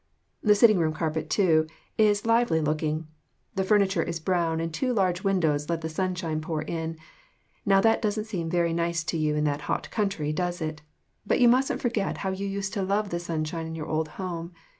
The sitting room carpet, too, is lively looking, the furniture is brown, and two large windows let the sunshine pour in now that doesn't seem very nice to you in that hot country, does it ? But you mustn't forget how you used to love the sunshine in your old home.